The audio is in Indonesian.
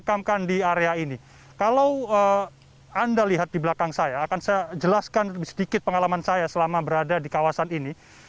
kalau anda lihat di belakang saya akan saya jelaskan sedikit pengalaman saya selama berada di kawasan ini